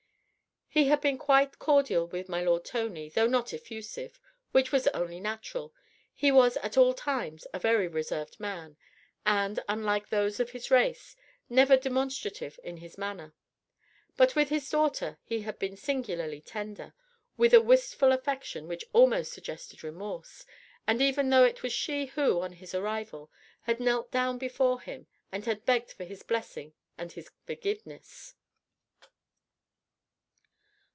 He had been quite cordial with my lord Tony, though not effusive, which was only natural he was at all times a very reserved man, and unlike those of his race never demonstrative in his manner: but with his daughter he had been singularly tender, with a wistful affection which almost suggested remorse, even though it was she who, on his arrival, had knelt down before him and had begged for his blessing and his forgiveness.